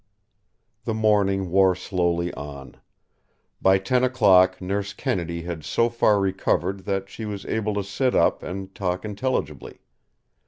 The morning wore slowly on. By ten o'clock Nurse Kennedy had so far recovered that she was able to sit up and talk intelligibly.